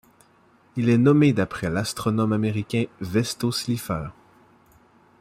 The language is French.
Il est nommé d'après l'astronome américain Vesto Slipher.